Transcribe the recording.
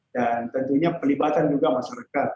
dan tentunya pelibatan juga masyarakat